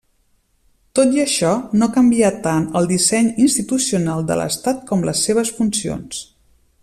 Tot i això, no canvia tant el disseny institucional de l'estat com les seves funcions.